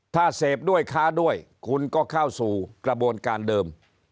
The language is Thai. ถ้าเสพด้วยค้าด้วยคุณก็เข้าสู่กระบวนการเดิม